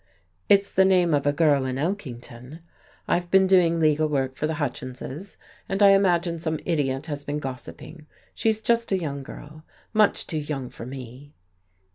"It's the name of a girl in Elkington. I've been doing legal work for the Hutchinses, and I imagine some idiot has been gossiping. She's just a young girl much too young for me."